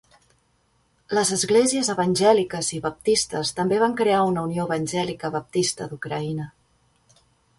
Les esglésies evangèliques i baptistes també van crear una unió evangèlica baptista d'Ucraïna.